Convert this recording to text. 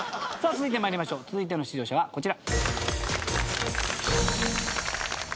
続いての出場者はこちら。